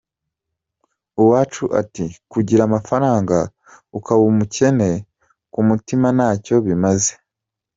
Uwacu ati “Kugira amafaranga ukaba umukene ku mutima ntacyo bimaze.